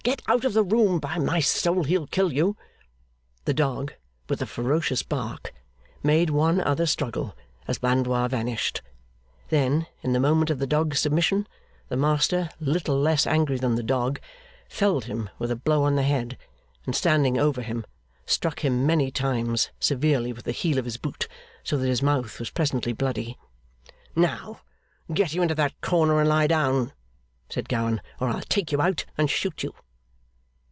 Get out of the room! By my soul, he'll kill you!' The dog, with a ferocious bark, made one other struggle as Blandois vanished; then, in the moment of the dog's submission, the master, little less angry than the dog, felled him with a blow on the head, and standing over him, struck him many times severely with the heel of his boot, so that his mouth was presently bloody. 'Now get you into that corner and lie down,' said Gowan, 'or I'll take you out and shoot you.